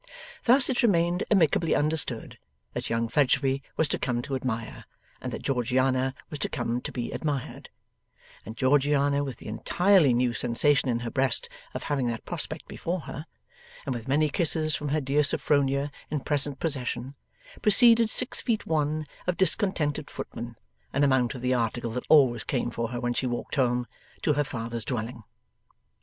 Thus it remained amicably understood that young Fledgeby was to come to admire, and that Georgiana was to come to be admired; and Georgiana with the entirely new sensation in her breast of having that prospect before her, and with many kisses from her dear Sophronia in present possession, preceded six feet one of discontented footman (an amount of the article that always came for her when she walked home) to her father's dwelling.